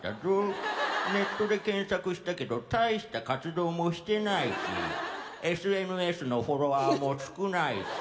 ネットで検索したけど大した活動もしてないしＳＮＳのフォロワーも少ないし。